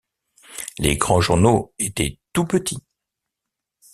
Les grands journaux étaient tout petits.